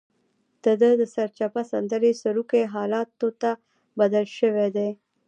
دده د سرچپه سندرې سروکي حالاتو ته بدل شوي دي.